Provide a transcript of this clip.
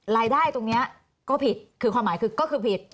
รายได้ตรงนี้ก็ผิดคือความหมายคือก็คือผิด